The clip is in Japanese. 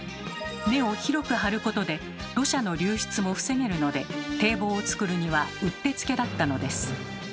根を広く張ることで土砂の流出も防げるので堤防を造るにはうってつけだったのです。